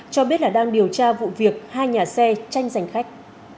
cho biết là đang điều tra vụ việc hai nhà xe tranh giành khách